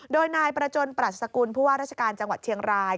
โดยนายประจนปรัชกุลผู้ว่าราชการจังหวัดเชียงราย